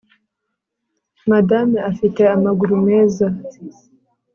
madame afite amaguru meza